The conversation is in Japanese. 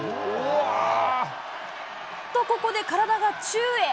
と、ここで体が宙へ。